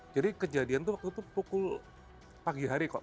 jadi kejadian waktu itu pukul pagi hari kok